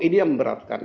ini yang memberatkan